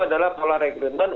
adalah pola rekrutmen